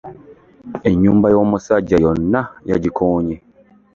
Ennyumba y'omusajja yonna yagikoonye.